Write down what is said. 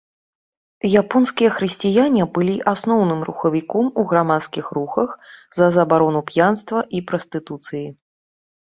Японскія хрысціяне былі асноўным рухавіком у грамадскіх рухах за забарону п'янства і прастытуцыі.